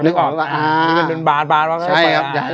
นึกออกว่ามันเป็นบาน